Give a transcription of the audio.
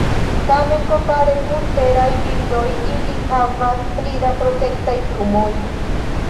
Tamen, kompare kun teraj birdoj, ili havas pli da protektaj plumoj.